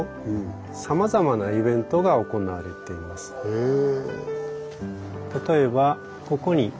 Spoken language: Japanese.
へえ。